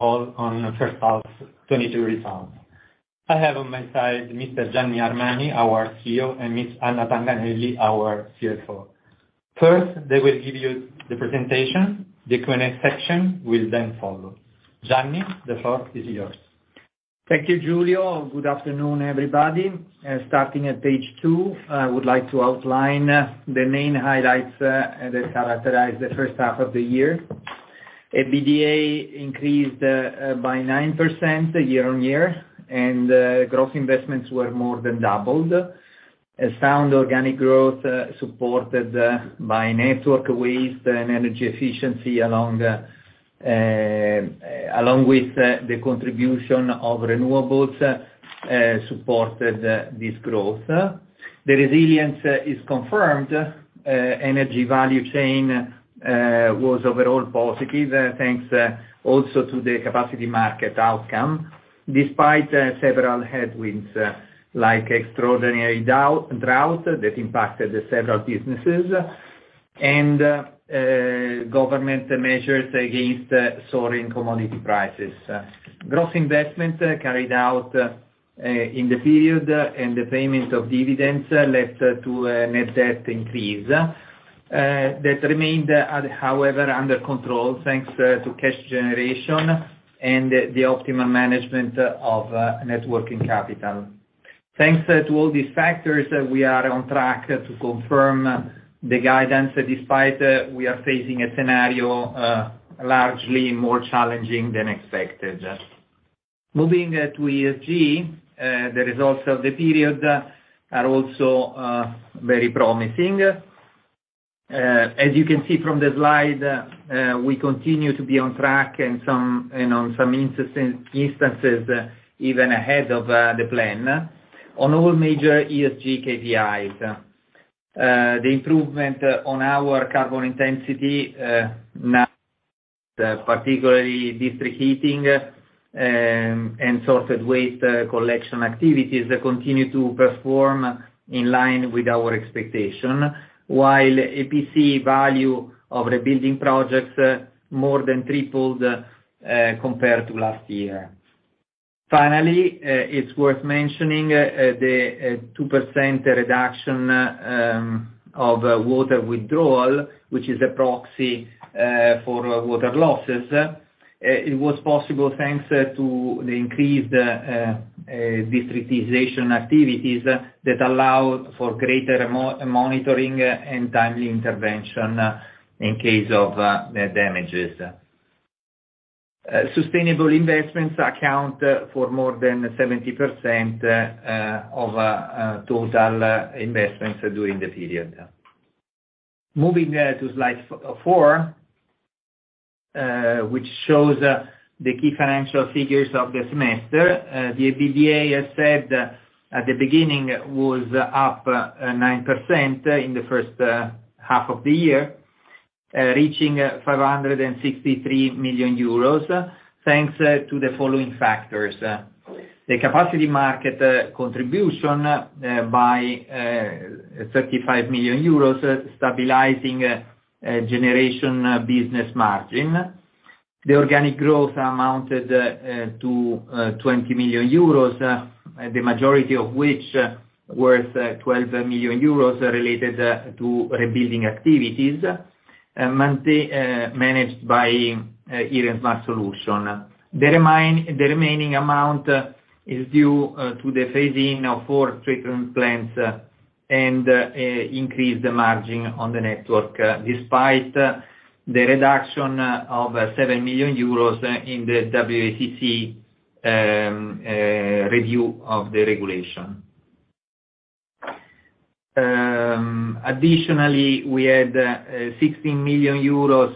All on the first half. I have on my side, Mr. Gianni Armani, our CEO, and Ms. Anna Tanganelli, our CFO. First, they will give you the presentation, the Q&A section will then follow. Gianni, the floor is yours. Thank you, Giulio. Good afternoon, everybody. Starting at page two, I would like to outline the main highlights that characterize the first half of the year. EBITDA increased by 9% year-on-year, and gross investments were more than doubled. A sound organic growth, supported by networks, waste and energy efficiency along with the contribution of renewables, supported this growth. The resilience is confirmed. Energy value chain was overall positive, thanks also to the capacity market outcome, despite several headwinds like extraordinary drought that impacted several businesses and government measures against soaring commodity prices. Gross investment carried out in the period and the payment of dividends left to a net debt increase that remained at, however, under control, thanks to cash generation and the optimal management of working capital. Thanks to all these factors, we are on track to confirm the guidance, despite we are facing a scenario largely more challenging than expected. Moving to ESG, the results of the period are also very promising. As you can see from the slide, we continue to be on track and on some instances even ahead of the plan on all major ESG KPIs. The improvement on our carbon intensity, now particularly district heating, and sorted waste collection activities continue to perform in line with our expectation, while EPC value of the building projects more than tripled, compared to last year. Finally, it's worth mentioning the 2% reduction of water withdrawal, which is a proxy for water losses. It was possible thanks to the increased districtualization activities that allow for greater monitoring and timely intervention in case of damages. Sustainable investments account for more than 70% of total investments during the period. Moving to slide four, which shows the key financial figures of the semester. The EBITDA, as said at the beginning, was up 9% in the first half of the year, reaching 563 million euros, thanks to the following factors. The capacity market contribution by 35 million euros, stabilizing generation business margin. The organic growth amounted to 20 million euros, the majority of which were 12 million euros related to rebuilding activities managed by Iren Smart Solutions. The remaining amount is due to the phasing of four treatment plants and increase the margin on the network, despite the reduction of 7 million euros in the WACC review of the regulation. Additionally, we had 16 million euros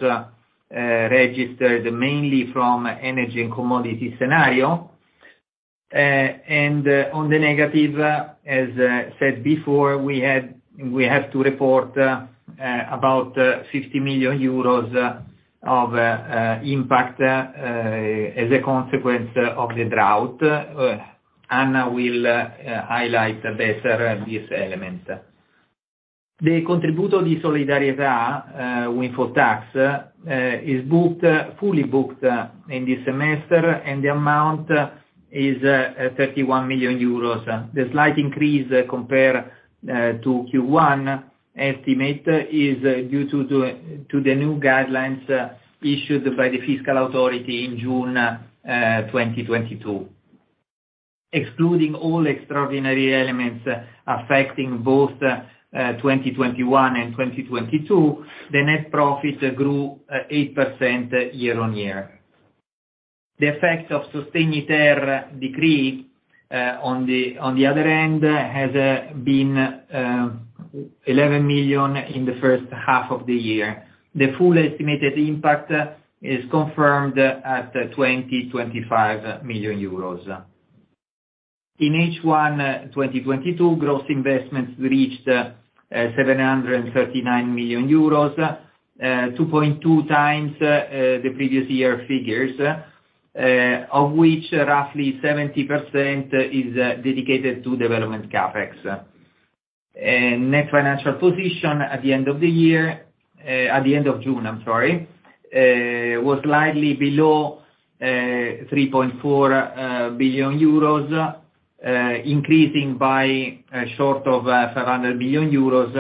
registered mainly from energy and commodity scenario. On the negative, as said before, we have to report about 50 million euros of impact as a consequence of the drought. Anna will highlight better this element. The contributo di solidarietà, windfall tax, is fully booked in this semester, and the amount is 31 million euros. The slight increase compared to Q1 estimate is due to the new guidelines issued by the fiscal authority in June 2022. Excluding all extraordinary elements affecting both 2021 and 2022, the net profit grew 8% year-over-year. The effect of Sostegni-ter decree, on the other hand, has been 11 million in the first half of the year. The full estimated impact is confirmed at 20 million-25 million euros. In H1 2022, gross investments reached 739 million euros, 2.2 times the previous year figures, of which roughly 70% is dedicated to development CapEx. Net financial position at the end of the year, at the end of June, I'm sorry, was slightly below 3.4 billion euros, increasing by short of 500 million euros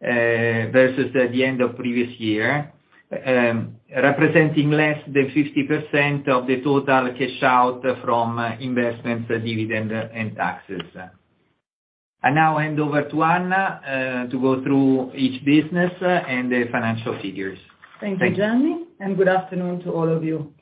versus at the end of previous year. Representing less than 50% of the total cash out from investments, dividend, and taxes. I now hand over to Anna to go through each business and the financial figures. Thank you, Gianni, and good afternoon to all of you.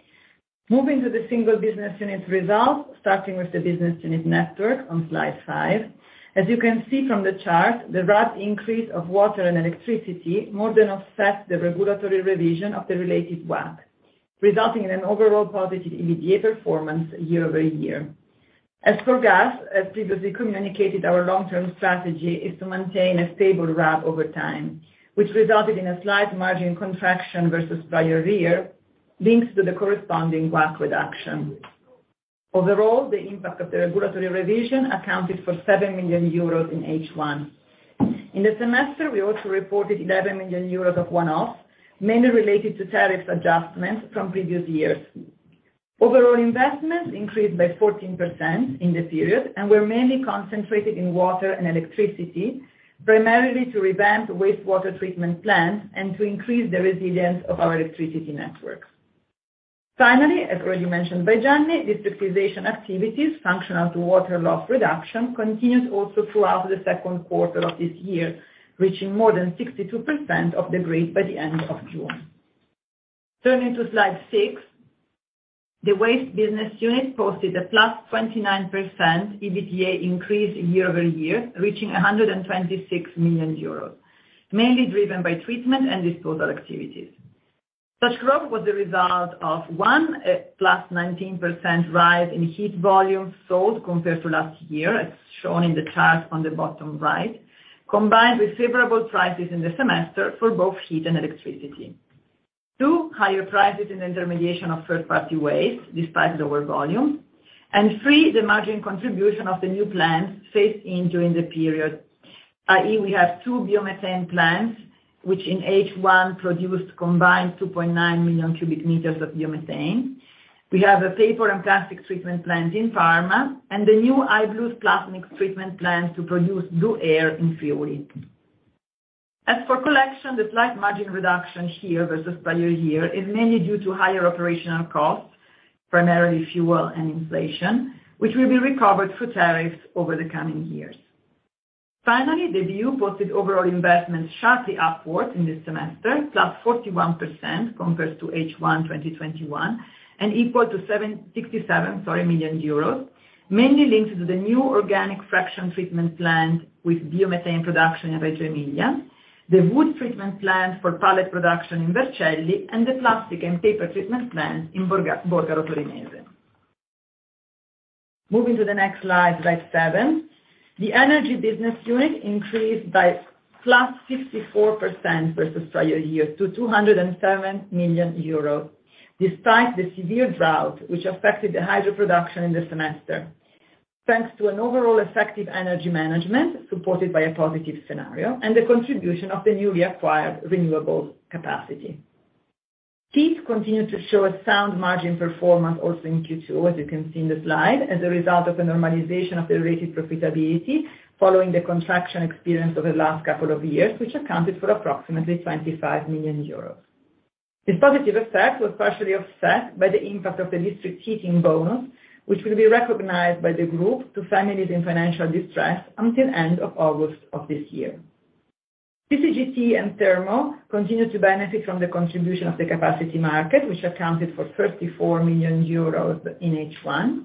Moving to the single business unit results, starting with the business unit network on slide five. As you can see from the chart, the rapid increase of water and electricity more than offsets the regulatory revision of the related WACC, resulting in an overall positive EBITDA performance year-over-year. As for gas, as previously communicated, our long-term strategy is to maintain a stable RAB over time, which resulted in a slight margin contraction versus prior year, linked to the corresponding WACC reduction. Overall, the impact of the regulatory revision accounted for 7 million euros in H1. In the semester, we also reported 11 million euros of one-offs, mainly related to tariff adjustments from previous years. Overall investments increased by 14% in the period and were mainly concentrated in water and electricity, primarily to revamp wastewater treatment plants and to increase the resilience of our electricity networks. Finally, as already mentioned by Gianni, districtualization activities functional to water loss reduction continued also throughout the second quarter of this year, reaching more than 62% of the grid by the end of June. Turning to slide six, the waste business unit posted a +29% EBITDA increase year-over-year, reaching 126 million euros, mainly driven by treatment and disposal activities. Such growth was the result of, one, a +19% rise in heat volume sold compared to last year, as shown in the chart on the bottom right, combined with favorable prices in the semester for both heat and electricity. Two, higher prices in the intermediation of third-party waste, despite lower volume. Three, the margin contribution of the new plants phased in during the period, i.e., we have two biomethane plants, which in H1 produced combined 2.9 million cu m of biomethane. We have a paper and plastic treatment plant in Parma, and the new I.Blu's plastic treatment plant to produce BLUAIR in Fiore. As for collection, the slight margin reduction here versus prior year is mainly due to higher operational costs, primarily fuel and inflation, which will be recovered through tariffs over the coming years. Finally, the BU posted overall investments sharply upward in this semester, 41% compared to H1 2021, and equal to 67 million euros, mainly linked to the new organic fraction treatment plant with biomethane production in Reggio Emilia, the wood treatment plant for pallet production in Vercelli, and the plastic and paper treatment plant in Borgaro Torinese. Moving to the next slide seven. The energy business unit increased by 54% versus prior year to 207 million euros, despite the severe drought which affected the hydro production in the semester. Thanks to an overall effective energy management, supported by a positive scenario, and the contribution of the newly acquired renewables capacity. Heat continued to show a sound margin performance also in Q2, as you can see in the slide, as a result of a normalization of the related profitability following the contraction experienced over the last couple of years, which accounted for approximately 25 million euros. This positive effect was partially offset by the impact of the district heating bonus, which will be recognized by the group to families in financial distress until end of August of this year. CCGT and Termo continued to benefit from the contribution of the capacity market, which accounted for 34 million euros in H1.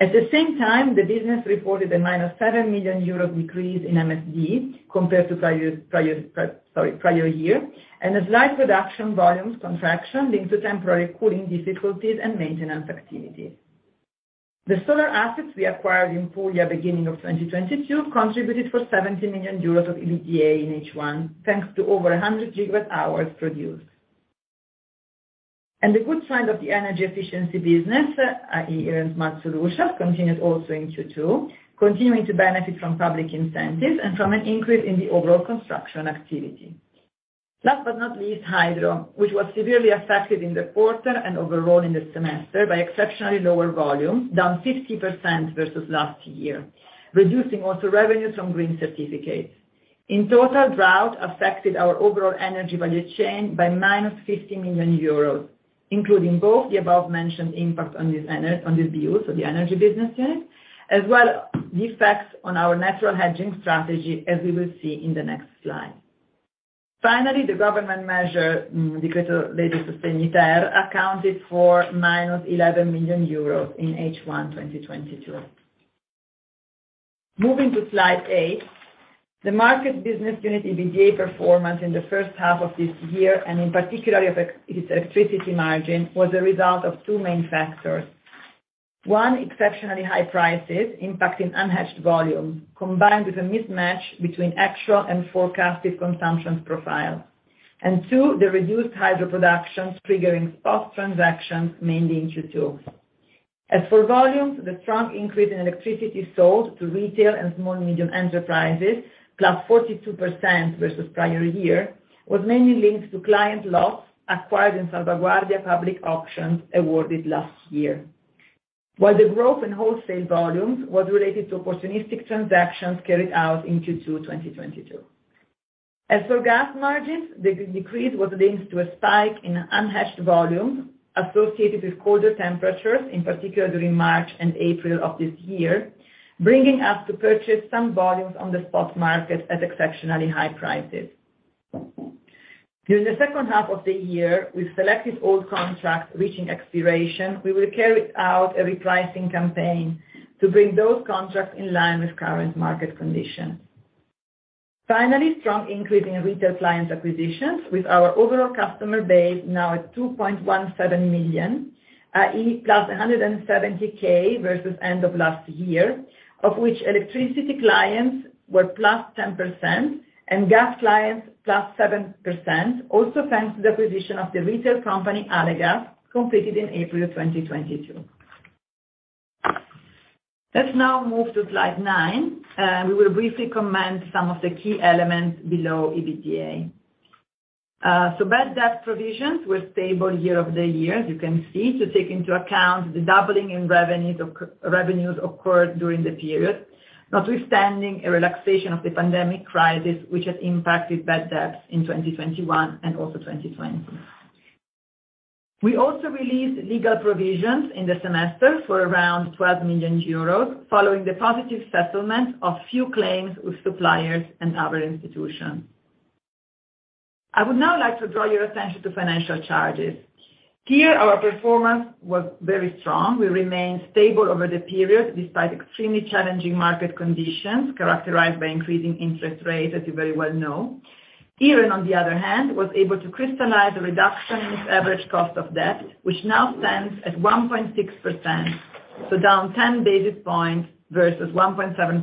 At the same time, the business reported a -7 million euros decrease in MSD compared to prior year, and a slight reduction volumes contraction linked to temporary cooling difficulties and maintenance activities. The solar assets we acquired in Puglia beginning of 2022 contributed for 70 million euros of EBITDA in H1, thanks to over 100 GWh produced. The good side of the energy efficiency business, i.e., Iren Smart Solutions, continued also in Q2, continuing to benefit from public incentives and from an increase in the overall construction activity. Last but not least, Hydro, which was severely affected in the quarter and overall in the semester by exceptionally lower volume, down 50% versus last year, reducing also revenues from green certificates. In total, drought affected our overall energy value chain by -50 million euros, including both the above-mentioned impact on the BUs, so the energy business units, as well the effects on our natural hedging strategy as we will see in the next slide. Finally, the government measure, Decreto Aiuti-bis, accounted for -11 million euros in H1 2022. Moving to slide 8, the market business unit EBITDA performance in the first half of this year, and in particular of its electricity margin, was a result of two main factors. One, exceptionally high prices impacting unhedged volume, combined with a mismatch between actual and forecasted consumption profile. Two, the reduced hydro productions triggering cross-transactions, mainly in Q2. As for volumes, the strong increase in electricity sold to retail and small medium enterprises, +42% versus prior year, was mainly linked to client base acquired in Salvaguardia public auctions awarded last year. While the growth in wholesale volumes was related to opportunistic transactions carried out in Q2, 2022. As for gas margins, the decrease was linked to a spike in unhedged volume associated with colder temperatures, in particular during March and April of this year, bringing us to purchase some volumes on the spot market at exceptionally high prices. During the second half of the year, we selected all contracts reaching expiration. We will carry out a repricing campaign to bring those contracts in line with current market conditions. Finally, strong increase in retail client acquisitions, with our overall customer base now at 2.17 million, i.e., +170,000 versus end of last year, of which electricity clients were +10% and gas clients +7%, also thanks to the acquisition of the retail company, Alegas, completed in April 2022. Let's now move to slide nine. We will briefly comment some of the key elements below EBITDA. Bad debt provisions were stable year-over-year, as you can see, to take into account the doubling in revenues that occurred during the period, notwithstanding a relaxation of the pandemic crisis, which has impacted bad debts in 2021 and also 2020. We also released legal provisions in the semester for around 12 million euros, following the positive settlement of few claims with suppliers and other institutions. I would now like to draw your attention to financial charges. Here, our performance was very strong. We remained stable over the period, despite extremely challenging market conditions characterized by increasing interest rates, as you very well know. Iren, on the other hand, was able to crystallize a reduction in its average cost of debt, which now stands at 1.6%, so down 10 basis points versus 1.7%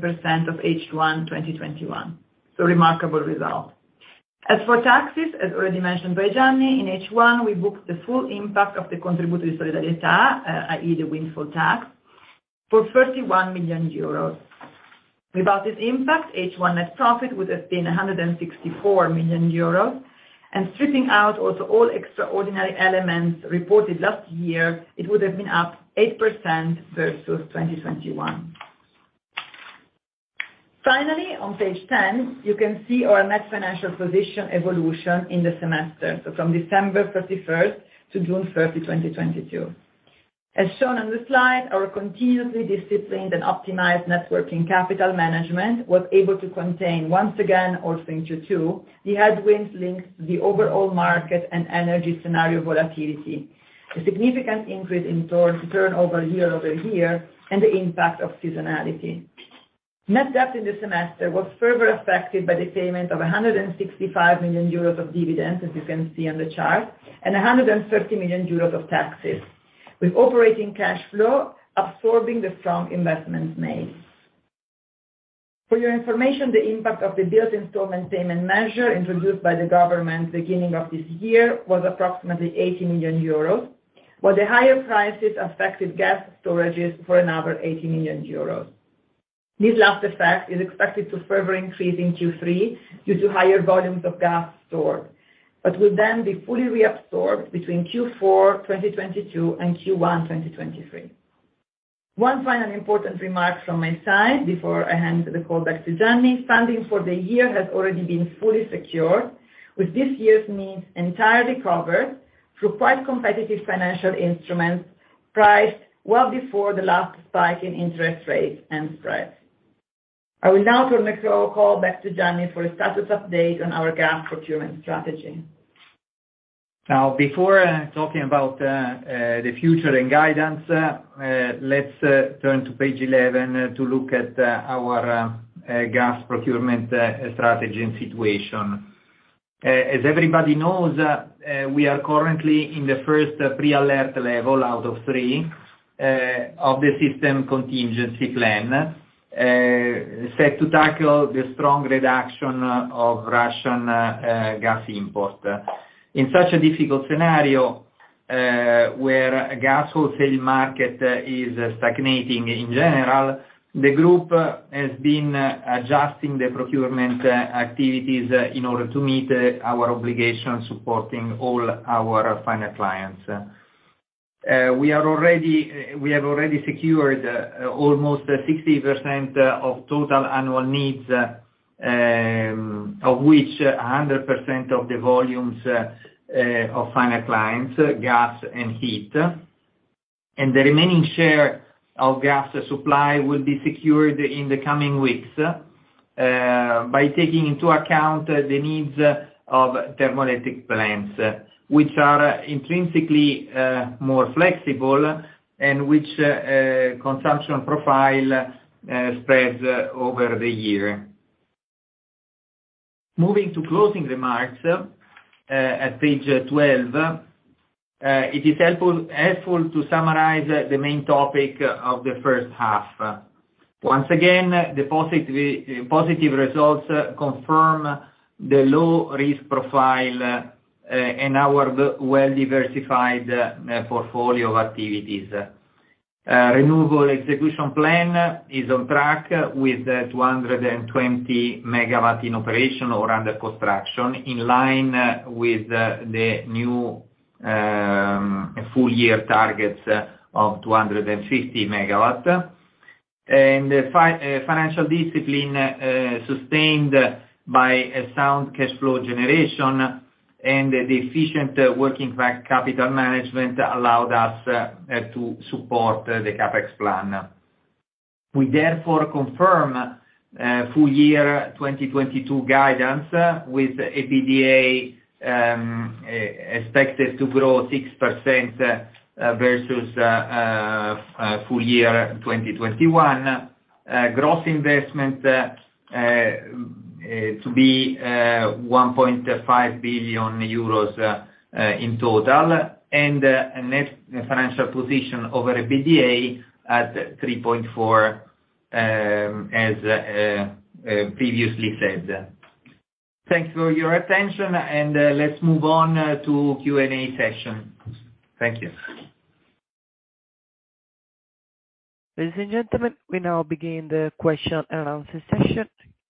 of H1 2021. Remarkable result. As for taxes, as already mentioned by Gianni, in H1, we booked the full impact of the contributo di solidarietà, i.e., the windfall tax, for 31 million euros. Without this impact, H1 net profit would have been 164 million euros. Stripping out also all extraordinary elements reported last year, it would have been up 8% versus 2021. Finally, on page 10, you can see our net financial position evolution in the semester, from December 31 to June 30, 2022. As shown on the slide, our continuously disciplined and optimized net working capital management was able to contain once again in 2022 the headwinds linked to the overall market and energy scenario volatility, a significant increase in our turnover year-over-year, and the impact of seasonality. Net debt in the semester was further affected by the payment of 165 million euros of dividends, as you can see on the chart, and 130 million euros of taxes, with operating cash flow absorbing the strong investments made. For your information, the impact of the bills installment payment measure introduced by the government beginning of this year was approximately 80 million euros, while the higher prices affected gas storages for another 80 million euros. This last effect is expected to further increase in Q3 due to higher volumes of gas stored, but will then be fully reabsorbed between Q4 2022 and Q1 2023. One final important remark from my side before I hand the call back to Gianni. Funding for the year has already been fully secured, with this year's needs entirely covered through quite competitive financial instruments priced well before the last spike in interest rates and spreads. I will now turn the floor call back to Gianni for a status update on our gas procurement strategy. Now, before talking about the future and guidance, let's turn to page 11 to look at our gas procurement strategy and situation. As everybody knows, we are currently in the first pre-alert level out of three of the system contingency plan set to tackle the strong reduction of Russian gas import. In such a difficult scenario, where gas wholesale market is stagnating in general, the group has been adjusting the procurement activities in order to meet our obligations, supporting all our final clients. We have already secured almost 60% of total annual needs, of which 100% of the volumes of final clients, gas and heat. The remaining share of gas supply will be secured in the coming weeks, by taking into account the needs of thermoelectric plants, which are intrinsically more flexible and which consumption profile spreads over the year. Moving to closing remarks, at page 12, it is helpful to summarize the main topic of the first half. Once again, the positive results confirm the low risk profile in our well-diversified portfolio of activities. Renewable execution plan is on track with 220 MW in operation or under construction, in line with the new full year targets of 250 MW. Financial discipline, sustained by a sound cash flow generation and the efficient working capital management allowed us to support the CapEx plan. We therefore confirm full year 2022 guidance with EBITDA expected to grow 6% versus full year 2021. Gross investment to be 1.5 billion euros in total, and a net financial position over EBITDA at 3.4x, as previously said. Thanks for your attention, and let's move on to Q&A session. Thank you. Ladies and gentlemen, we now begin the question and answer session.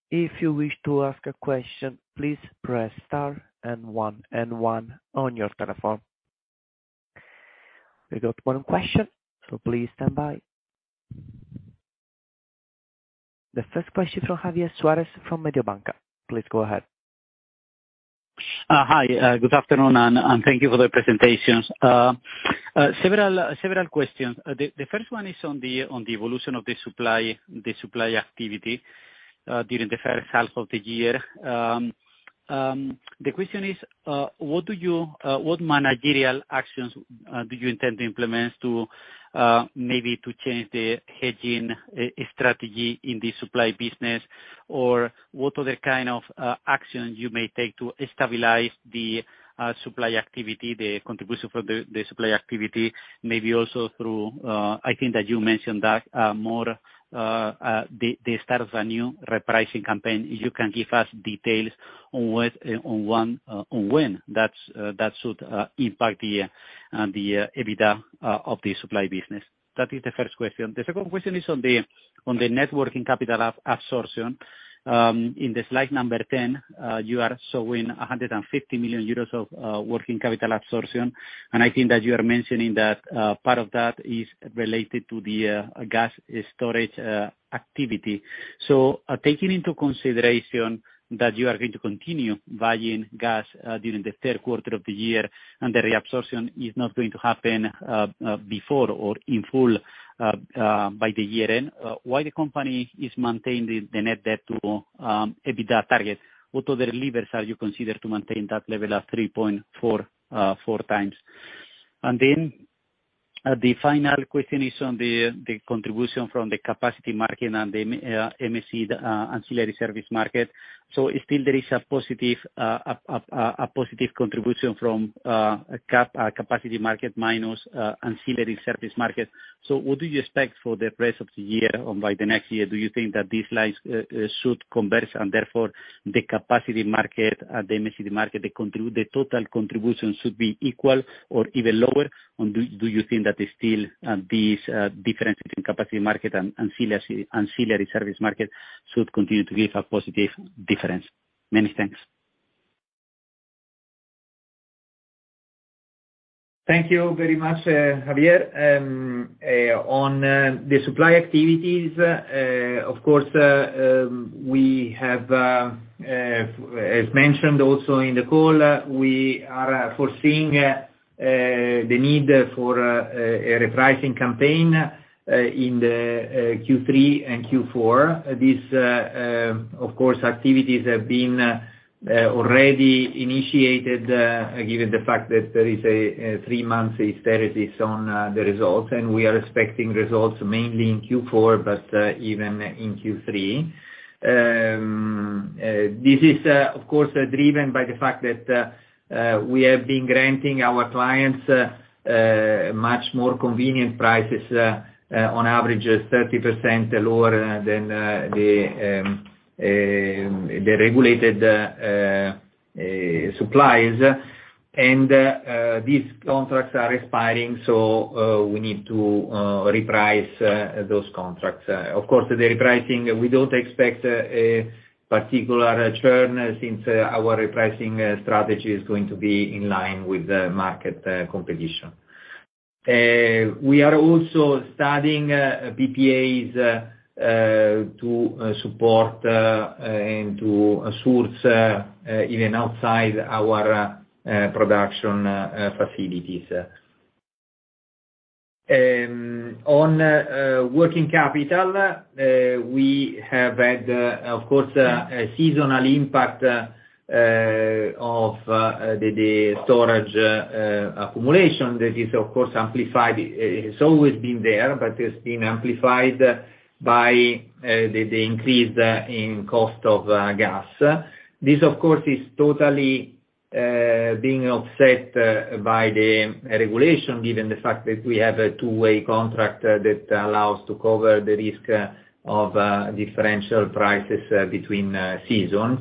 If you wish to ask a question, please press star and one and one on your telephone. We got one question, so please stand by. The first question from Javier Suárez from Mediobanca. Please go ahead. Hi. Good afternoon, and thank you for the presentations. Several questions. The first one is on the evolution of the supply activity during the first half of the year. The question is, what managerial actions do you intend to implement to maybe change the hedging strategy in the supply business? Or what other kind of actions you may take to stabilize the supply activity, the contribution for the supply activity? Maybe also through, I think that you mentioned that more the start of a new repricing campaign. You can give us details on what on when that should impact the EBITDA of the supply business. That is the first question. The second question is on the net working capital absorption. In the slide number 10, you are showing 150 million euros of working capital absorption, and I think that you are mentioning that part of that is related to the gas storage activity. Taking into consideration that you are going to continue buying gas during the third quarter of the year, and the reabsorption is not going to happen before or in full by the year end, why the company is maintaining the net debt to EBITDA target? What other levers are you consider to maintain that level of 3.4x-4x? The final question is on the contribution from the capacity market and the MSD ancillary service market. Still there is a positive contribution from capacity market minus ancillary service market. What do you expect for the rest of the year or by the next year? Do you think that these lines should converge, and therefore the capacity market, the MSD market, the total contribution should be equal or even lower? Or do you think that is still this difference between capacity market and ancillary service market should continue to give a positive difference? Many thanks. Thank you very much, Javier. On the supply activities, of course, we have, as mentioned also in the call, we are foreseeing the need for a repricing campaign in the Q3 and Q4. These, of course, activities have been already initiated, given the fact that there is a three-month hiatus on the results, and we are expecting results mainly in Q4, but even in Q3. This is, of course, driven by the fact that we have been granting our clients much more convenient prices, on average 30% lower than the regulated supplies. These contracts are expiring, so we need to reprice those contracts. Of course, the repricing, we don't expect a particular return since our repricing strategy is going to be in line with the market competition. We are also studying PPAs to support and to source even outside our production facilities. On working capital, we have had of course a seasonal impact of the storage accumulation that is of course amplified. It has always been there, but it's been amplified by the increase in cost of gas. This, of course, is totally being offset by the regulation, given the fact that we have a two-way contract that allows to cover the risk of differential prices between seasons.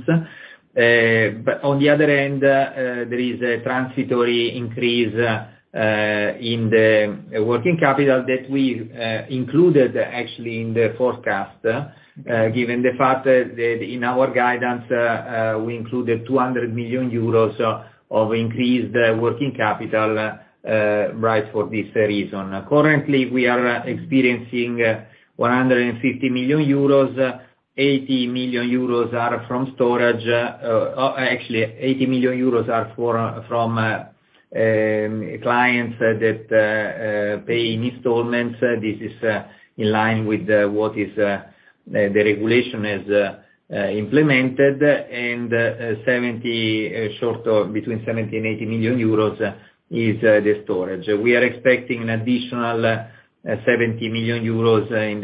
On the other end, there is a transitory increase in the working capital that we included actually in the forecast, given the fact that in our guidance we included 200 million euros of increased working capital, right, for this reason. Currently, we are experiencing 150 million euros, 80 million euros are from storage. Actually 80 million euros are from clients that pay in installments. This is in line with what the regulation has implemented, and between 70 million and 80 million euros is the storage. We are expecting an additional 70 million euros in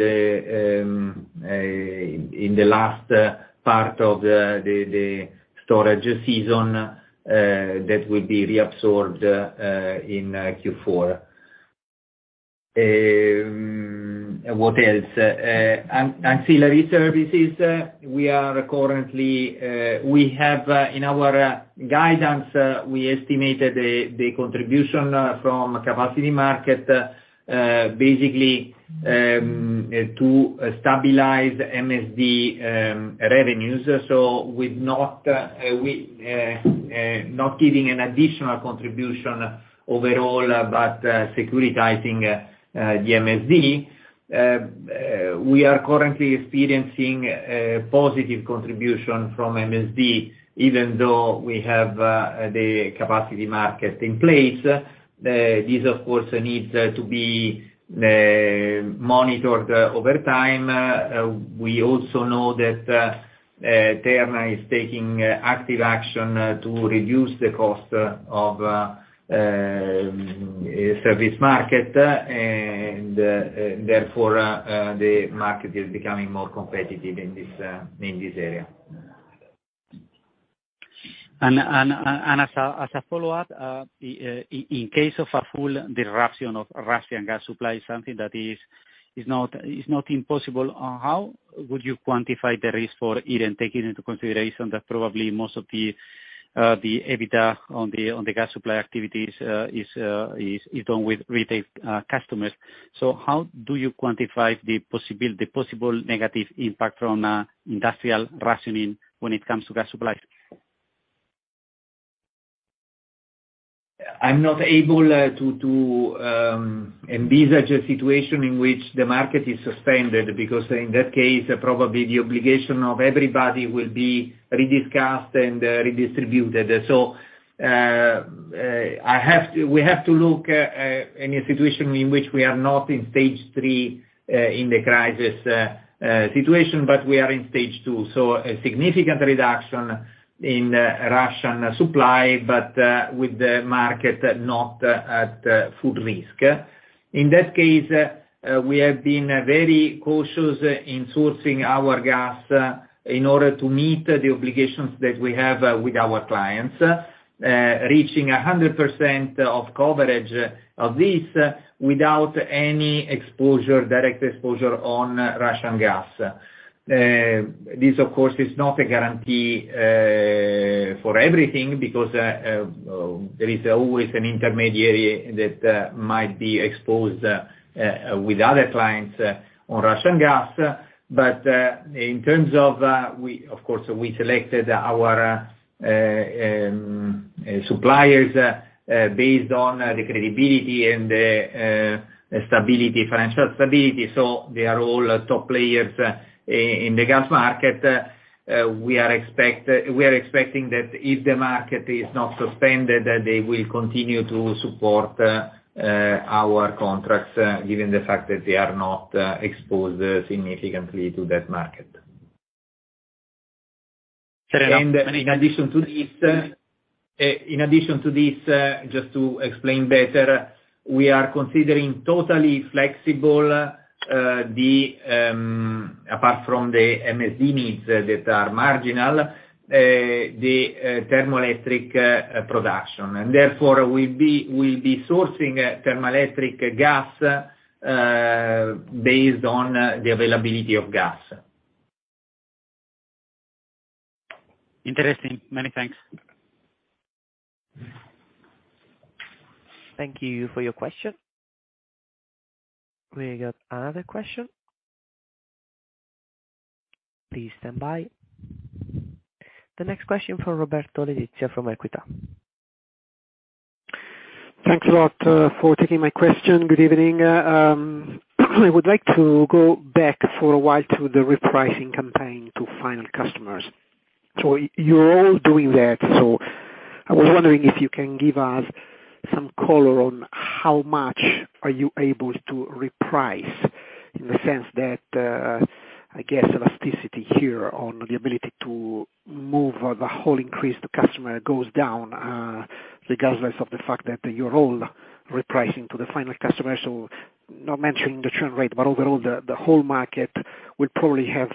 the last part of the storage season that will be reabsorbed in Q4. What else? Ancillary services. We currently have in our guidance we estimated the contribution from capacity market, basically to stabilize MSD revenues. We're not giving an additional contribution overall, but securitizing the MSD, we are currently experiencing a positive contribution from MSD, even though we have the capacity market in place. This, of course, needs to be monitored over time. We also know that Terna is taking active action to reduce the cost of service market. Therefore, the market is becoming more competitive in this area. As a follow-up, in case of a full disruption of Russian gas supply, something that is not impossible, how would you quantify the risk for Iren, taking into consideration that probably most of the EBITDA on the gas supply activities is done with retail customers. How do you quantify the possible negative impact from industrial rationing when it comes to gas supply? I'm not able to envisage a situation in which the market is suspended, because in that case, probably the obligation of everybody will be rediscussed and redistributed. We have to look at any situation in which we are not in stage three in the crisis situation, but we are in stage two, so a significant reduction in Russian supply, but with the market not at full risk. In that case, we have been very cautious in sourcing our gas in order to meet the obligations that we have with our clients, reaching 100% of coverage of this without any exposure, direct exposure on Russian gas. This, of course, is not a guarantee for everything because there is always an intermediary that might be exposed with other clients on Russian gas. In terms of, we, of course, selected our suppliers based on the credibility and the stability, financial stability, so they are all top players in the gas market. We are expecting that if the market is not suspended, that they will continue to support our contracts given the fact that they are not exposed significantly to that market. In addition to this, just to explain better, we are considering totally flexible, apart from the MSD needs that are marginal, the thermoelectric production. Therefore, we'll be sourcing thermoelectric gas based on the availability of gas. Interesting. Many thanks. Thank you for your question. We got another question. Please stand by. The next question from Roberto Letizia from Equita. Thanks a lot for taking my question. Good evening. I would like to go back for a while to the repricing campaign to final customers. You're all doing that, so I was wondering if you can give us some color on how much are you able to reprice in the sense that, I guess elasticity here on the ability to move the whole increase to customer goes down. Regardless of the fact that you're all repricing to the final customer, so not mentioning the churn rate, but overall the whole market will probably have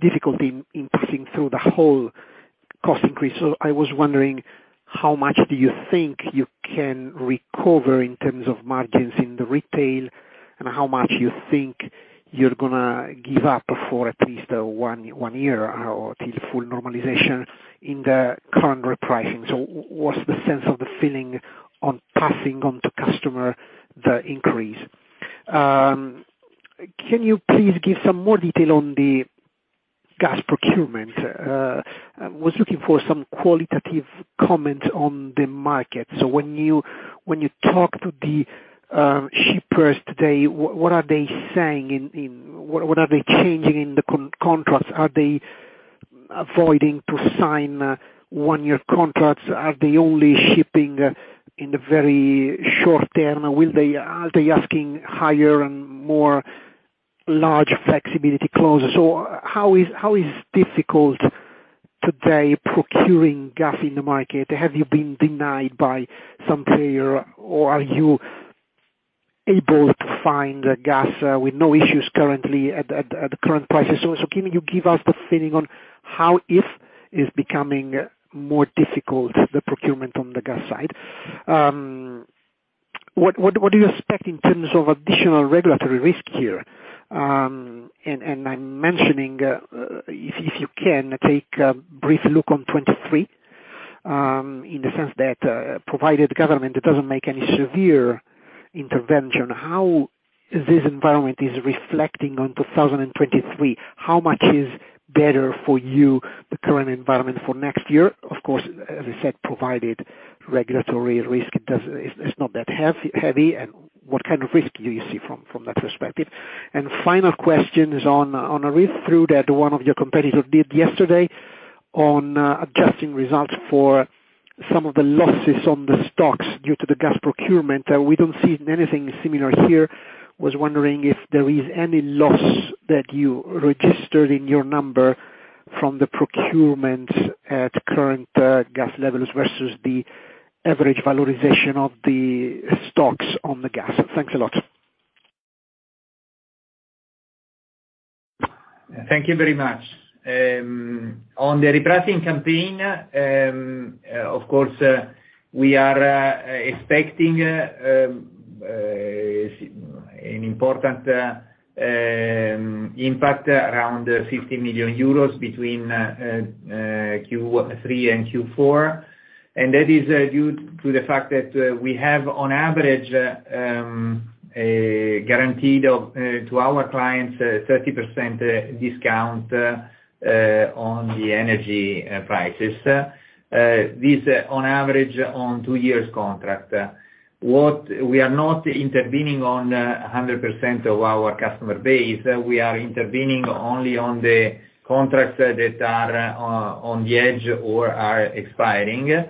difficulty in passing through the whole cost increase. I was wondering how much do you think you can recover in terms of margins in the retail and how much you think you're gonna give up for at least one year or until full normalization in the current repricing? What's the sense of the feeling on passing on to customers the increase? Can you please give some more detail on the gas procurement? I was looking for some qualitative comment on the market. When you talk to the shippers today, what are they saying? What are they changing in the contracts? Are they avoiding to sign one-year contracts? Are they only shipping in the very short term? Are they asking higher and larger flexibility clauses? How is difficult today procuring gas in the market? Have you been denied by some player, or are you able to find gas with no issues currently at the current prices? Can you give us the feeling on how, if it's becoming more difficult, the procurement on the gas side? What do you expect in terms of additional regulatory risk here? I'm mentioning, if you can, take a brief look on 2023, in the sense that, provided government doesn't make any severe intervention, how this environment is reflecting on 2023? How much is better for you, the current environment for next year? Of course, as I said, provided regulatory risk is not that heavy, and what kind of risk do you see from that perspective? Final question is on a read-through that one of your competitors did yesterday on adjusting results for some of the losses on the stocks due to the gas procurement. We don't see anything similar here. Was wondering if there is any loss that you registered in your number from the procurement at current gas levels versus the average valorization of the stocks on the gas. Thanks a lot. Thank you very much. On the repricing campaign, of course, we are expecting an important impact around 50 million euros between Q3 and Q4. That is due to the fact that we have on average a guarantee of to our clients a 30% discount on the energy prices. This on average on two years contract. What we are not intervening on 100% of our customer base, we are intervening only on the contracts that are on the edge or are expiring.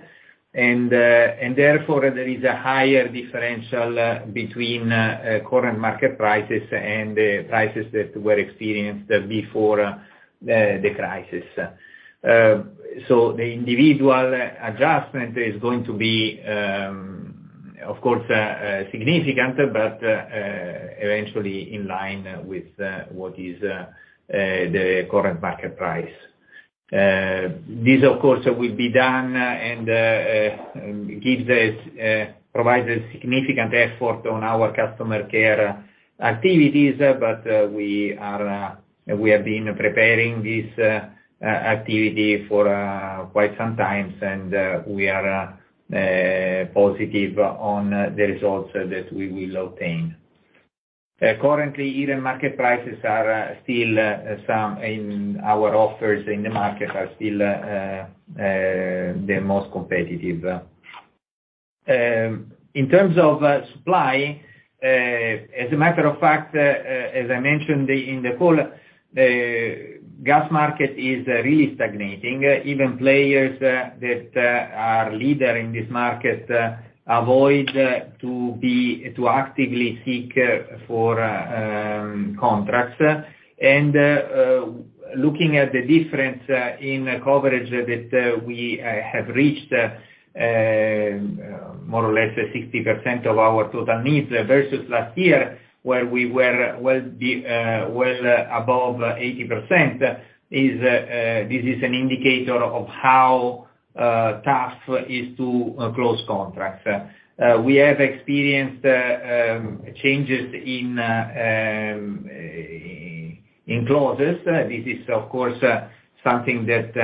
Therefore, there is a higher differential between current market prices and the prices that were experienced before the crisis. The individual adjustment is going to be, of course, significant, but eventually in line with what is the current market price. This of course will be done and requires a significant effort on our customer care activities, but we have been preparing this activity for quite some time, and we are positive on the results that we will obtain. Currently, even market prices are still, some of our offers in the market are still the most competitive. In terms of supply, as a matter of fact, as I mentioned in the call, gas market is really stagnating. Even players that are leaders in this market avoid to actively seek for contracts. Looking at the difference in coverage that we have reached, more or less 60% of our total needs versus last year, where we were well above 80% is an indicator of how tough it is to close contracts. We have experienced changes in clauses. This is, of course, something that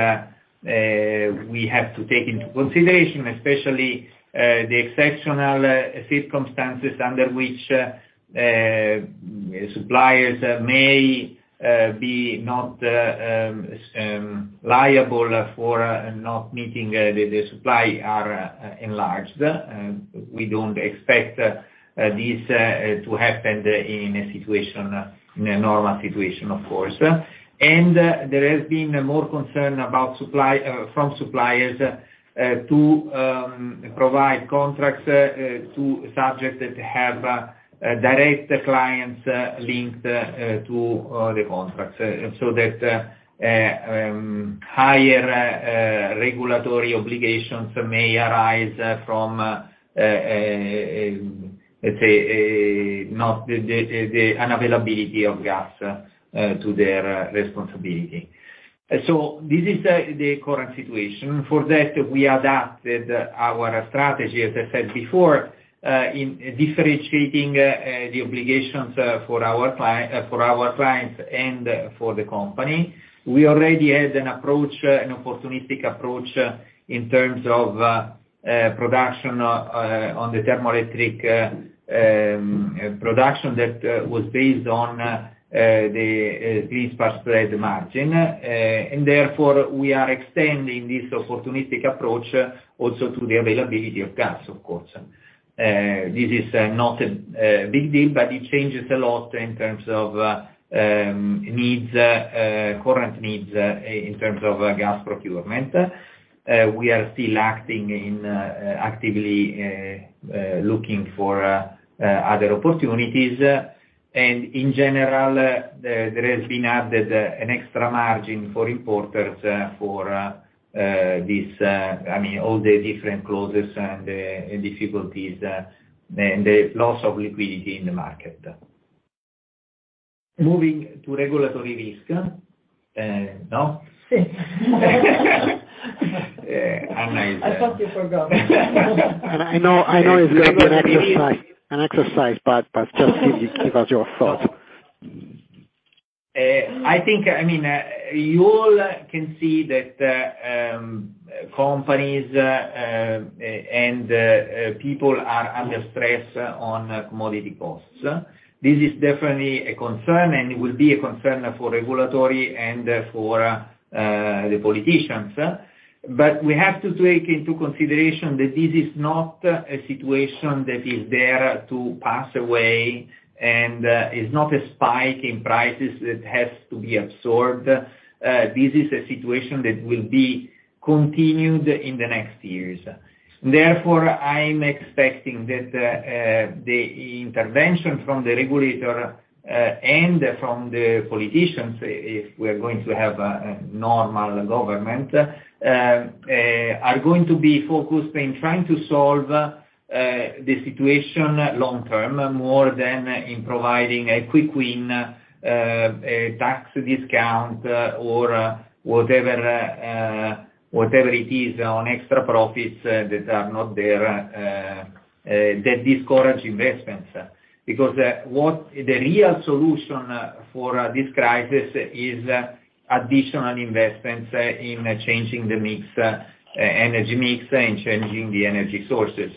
we have to take into consideration, especially the exceptional circumstances under which suppliers may be not liable for not meeting the supply are enlarged. We don't expect this to happen in a situation, in a normal situation, of course. There has been more concern about supply from suppliers to provide contracts to subjects that have direct clients linked to the contracts, so that higher regulatory obligations may arise from, let's say, not the unavailability of gas to their responsibility. This is the current situation. For that, we adapted our strategy, as I said before, in differentiating the obligations for our clients and for the company. We already had an approach, an opportunistic approach in terms of production on the thermoelectric production that was based on the gas spread margin. Therefore, we are extending this opportunistic approach also to the availability of gas, of course. This is not a big deal, but it changes a lot in terms of needs, current needs in terms of gas procurement. We are still actively looking for other opportunities. In general, there has been added an extra margin for importers for this, I mean, all the different clauses and difficulties, and the loss of liquidity in the market. Moving to regulatory risk, no? I thought you forgot. I know it's going to be an exercise, but just give us your thoughts. I think, I mean, you all can see that companies and people are under stress on commodity costs. This is definitely a concern, and it will be a concern for regulators and for the politicians. We have to take into consideration that this is not a situation that is there to pass away, and is not a spike in prices that has to be absorbed. This is a situation that will be continued in the next years. Therefore, I'm expecting that the intervention from the regulator and from the politicians, if we're going to have a normal government, are going to be focused in trying to solve the situation long term, more than in providing a quick win, a tax discount or whatever it is on extra profits that are not there, that discourage investments. Because the real solution for this crisis is additional investments in changing the mix, energy mix and changing the energy sources.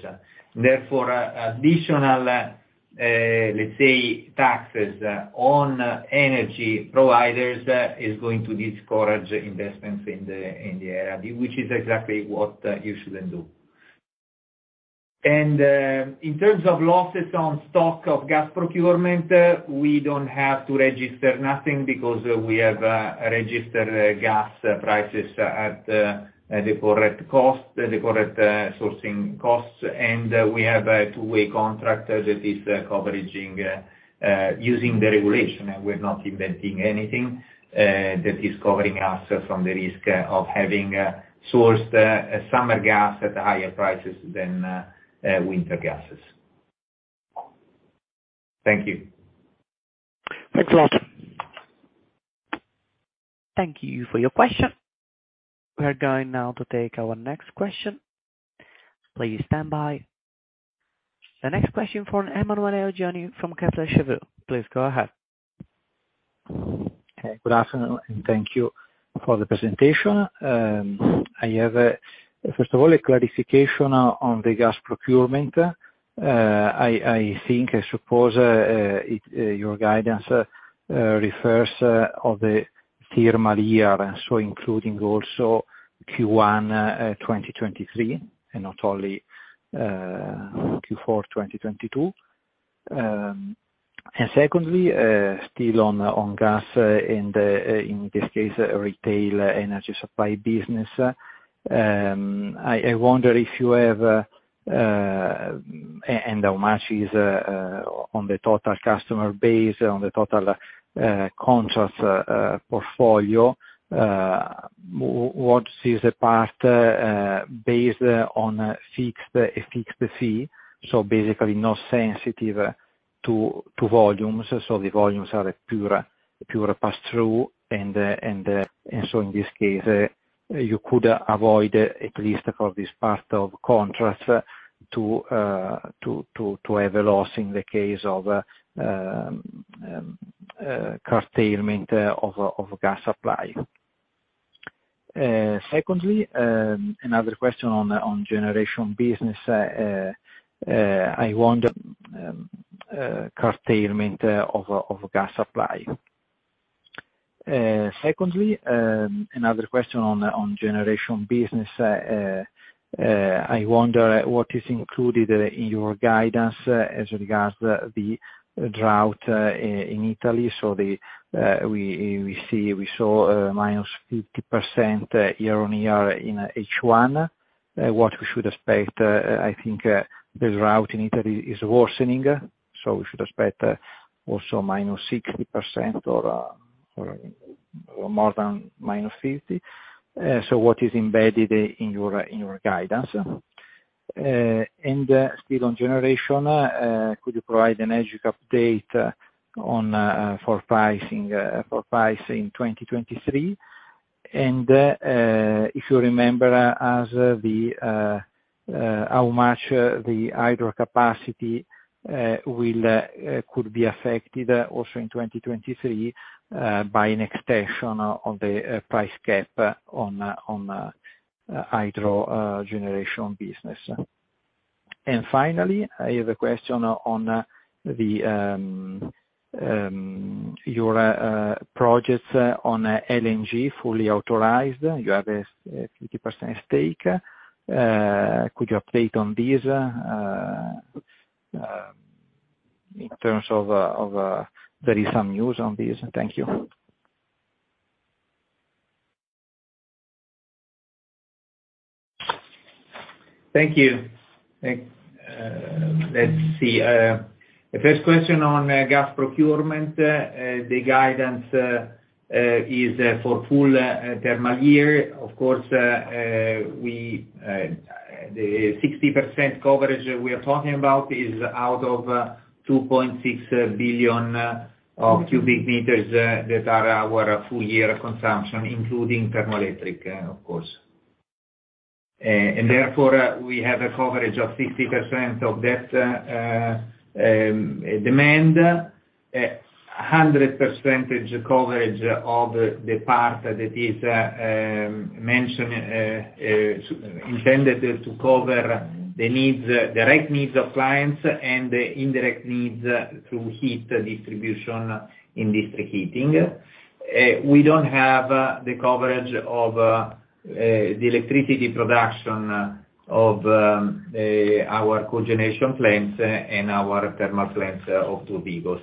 Therefore, additional, let's say, taxes on energy providers is going to discourage investments in the area, which is exactly what you shouldn't do. In terms of losses on stock of gas procurement, we don't have to register nothing because we have registered gas prices at the correct sourcing costs. We have a two-way contract that is covering, using the regulation, we're not inventing anything, that is covering us from the risk of having sourced summer gas at higher prices than winter gases. Thank you. Thanks a lot. Thank you for your question. We are going now to take our next question. Please stand by. The next question from Emanuele Oggioni from Kepler Cheuvreux. Please go ahead. Hey, good afternoon, and thank you for the presentation. I have, first of all, a clarification on the gas procurement. I think I suppose your guidance refers to the thermal year, so including also Q1 2023, and not only Q4 2022. Secondly, still on gas in this case, retail energy supply business, I wonder how much is on the total customer base, on the total contracts portfolio, what is the part based on a fixed fee, so basically not sensitive to volumes, so the volumes are a pure pass-through. In this case, you could avoid, at least for this part of contracts, to have a loss in the case of curtailment of gas supply. Secondly, another question on generation business, I wonder what is included in your guidance as regards the drought in Italy. We saw -50% year-on-year in H1. What we should expect, I think the drought in Italy is worsening, so we should expect also -60% or more than -50%. What is embedded in your guidance? Still on generation, could you provide an update on pricing for 2023? If you remember, how much the hydro capacity could be affected also in 2023 by an extension of the price cap on hydro generation business. Finally, I have a question on your projects on LNG fully authorized, you have a 50% stake. Could you update on this in terms of there is some news on this. Thank you. Thank you. Let's see. The first question on gas procurement. The guidance is for full thermal year, of course. The 60% coverage we are talking about is out of 2.6 billion cu m that are our full year consumption including thermoelectric, of course. Therefore, we have a coverage of 60% of that demand. 100% coverage of the part that is mentioned, intended to cover the needs, direct needs of clients and the indirect needs through heat distribution in district heating. We don't have the coverage of the electricity production of our cogeneration plants and our thermal plants of Turbigo.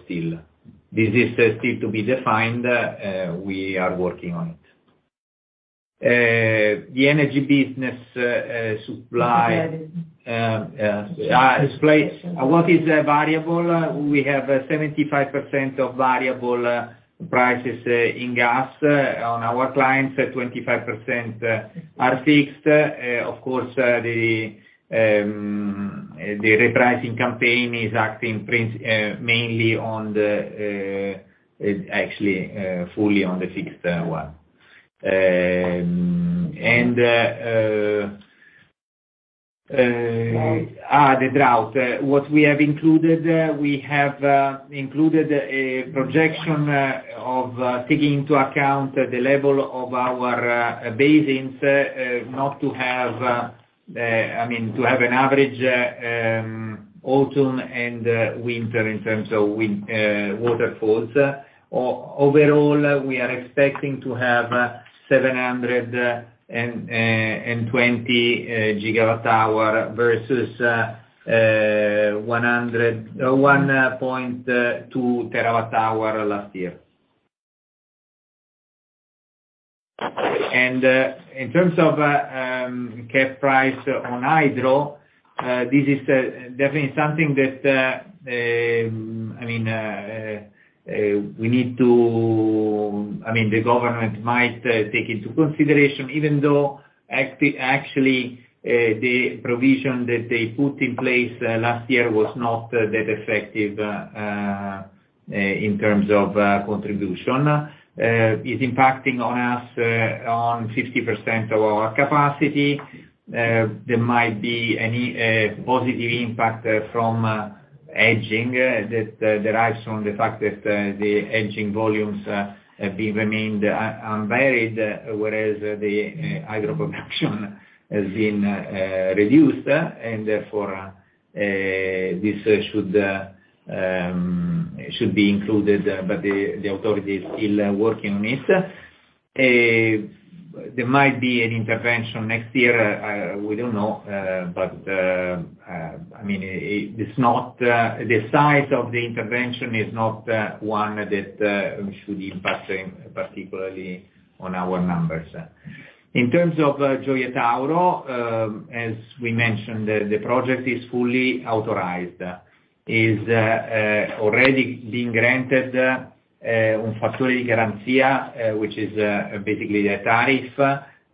This is still to be defined. We are working on it. The energy business supply- What is variable? We have 75% of variable prices in gas on our clients, 25% are fixed. Of course, the repricing campaign is acting primarily mainly on the actually fully on the fixed one. The drought. What we have included, we have included a projection of taking into account the level of our basins, not to have I mean to have an average autumn and winter in terms of waterfalls. Overall, we are expecting to have 720 GWh versus 1.2 TWh last year. In terms of price cap on hydro, this is definitely something that the government might take into consideration, even though actually the provision that they put in place last year was not that effective in terms of contribution. It's impacting on us on 50% of our capacity. There might be a positive impact from hedging that derives from the fact that the hedging volumes have remained unvaried, whereas the hydro production has been reduced, and therefore this should be included, but the authority is still working on this. There might be an intervention next year, we don't know, but I mean, it's not the size of the intervention is not one that should impact particularly on our numbers. In terms of Gioia Tauro, as we mentioned, the project is fully authorized. It is already being granted un fattore di garanzia, which is basically a tariff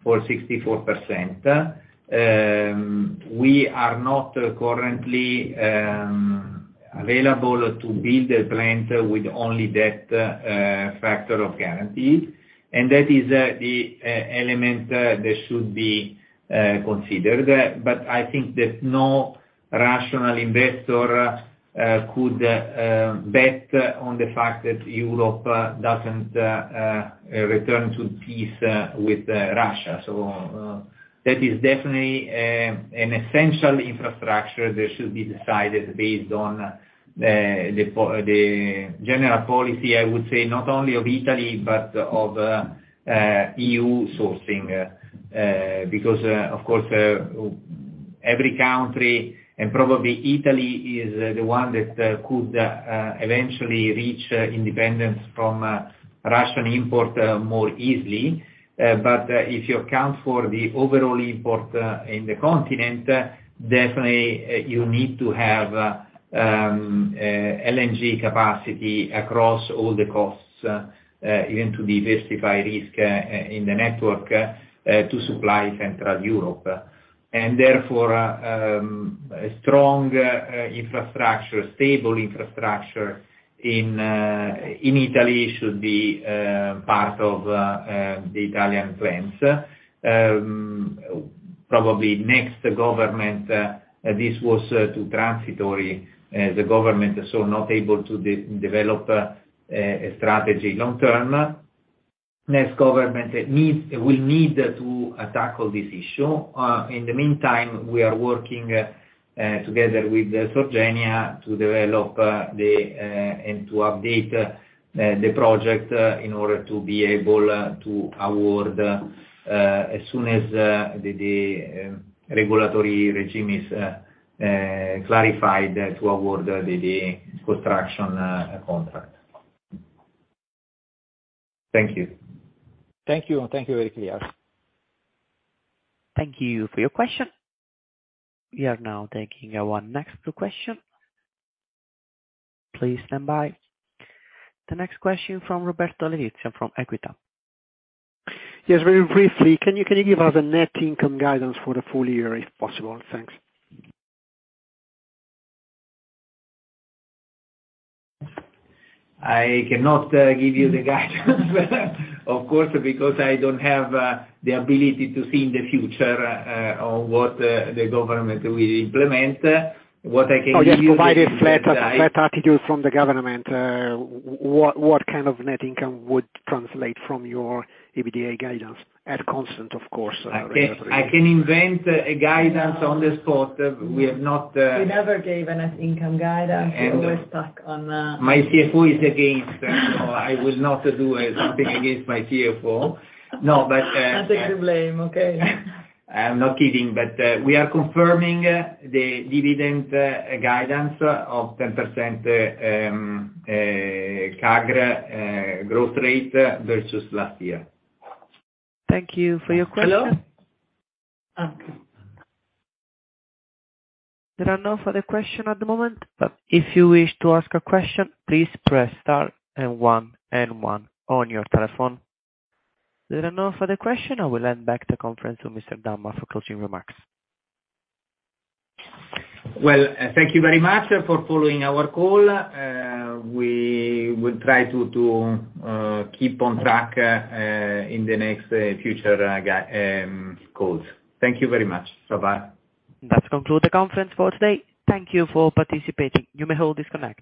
for 64%. We are not currently available to build a plant with only that factor of guarantee, and that is the element that should be considered. I think that no rational investor could bet on the fact that Europe doesn't return to peace with Russia. That is definitely an essential infrastructure that should be decided based on the general policy, I would say, not only of Italy, but of EU sourcing. Because of course every country and probably Italy is the one that could eventually reach independence from Russian import more easily. But if you account for the overall import in the continent, definitely you need to have LNG capacity across all the coasts, even to diversify risk in the network to supply central Europe. Therefore a strong infrastructure, stable infrastructure in Italy should be part of the Italian plans. Probably next government. This was too transitory, the government, so not able to develop a strategy long term. Next government will need to tackle this issue. In the meantime, we are working together with the Sorgenia to develop and update the project in order to be able to award the construction contract as soon as the regulatory regime is clarified. Thank you. Thank you. Very clear. Thank you for your question. We are now taking our next question. Please stand by. The next question from Roberto Letizia from Equita. Yes, very briefly, can you give us a net income guidance for the full year if possible? Thanks. I cannot give you the guidance of course, because I don't have the ability to see in the future on what the government will implement. What I can give you. Oh, just provided flat attitude from the government. What kind of net income would translate from your EBITDA guidance at constant, of course? I can invent a guidance on the spot. We have not. We never gave a net income guidance. We always stuck on. My CFO is against, so I will not do something against my CFO. No, but. I'll take the blame. Okay. I'm not kidding, but we are confirming the dividend guidance of 10% CAGR growth rate versus last year. Thank you for your question. Hello? There are no further questions at the moment, but if you wish to ask a question, please press star and one and one on your telephone. There are no further questions. I will hand back the conference to Mr. Domma for closing remarks. Well, thank you very much for following our call. We will try to keep on track in the next future calls. Thank you very much. Bye-bye. That concludes the conference for today. Thank you for participating. You may all disconnect.